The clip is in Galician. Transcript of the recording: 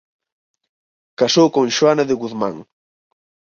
Casou con Xoana de Guzmán.